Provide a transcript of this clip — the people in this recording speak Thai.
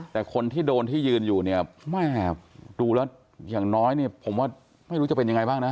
แต่คนที่โดนที่ยืนอยู่เนี่ยแม่ดูแล้วอย่างน้อยเนี่ยผมว่าไม่รู้จะเป็นยังไงบ้างนะ